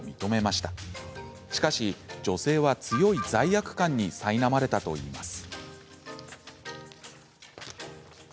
しかし、女性は強い罪悪感にさいなまれたといいます。